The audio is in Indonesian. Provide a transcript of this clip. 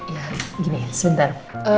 ya gini sebentar